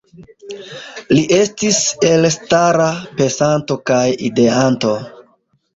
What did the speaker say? Li estis elstara pensanto kaj ideanto.